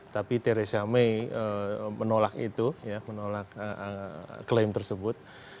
tapi theresa may menolak itu menolak klaim tersebut